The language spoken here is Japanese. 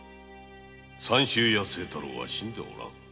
三州屋清太郎は死んではおらん。